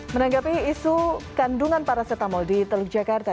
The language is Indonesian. menanggapi isu kandungan paracetamol di teluk jakarta